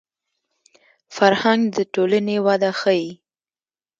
فرهنګ د ټولنې وده ښيي